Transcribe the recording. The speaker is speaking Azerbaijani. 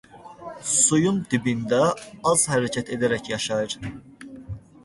Suyun dibində az hərəkət edərək yaşayır.